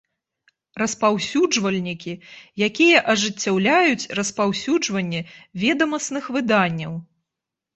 Распаўсюджвальнiкi, якiя ажыццяўляюць распаўсюджванне ведамасных выданняў.